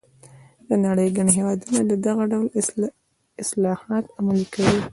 د نړۍ ګڼ هېوادونه دغه ډول اصلاحات عملي کوي.